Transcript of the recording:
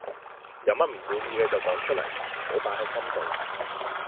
有乜唔滿意嘅就講出嚟，唔好擺係心度。